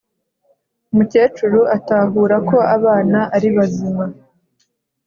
umukecuru atahura ko abana aribazima